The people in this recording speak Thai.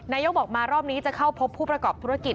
นายกบอกมารอบนี้จะเข้าพบผู้ประกอบธุรกิจ